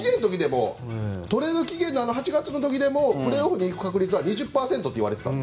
トレード期限の８月の時でもプレーオフに行く確率は２０％って言われていたの。